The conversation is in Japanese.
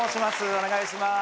お願いします。